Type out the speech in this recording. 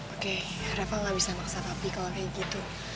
oke reva gak bisa maksa kopi kalau kayak gitu